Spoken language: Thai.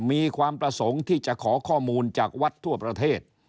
มีความประสงค์ที่จะขอข้อมูลจากวัดทั่วประเทศ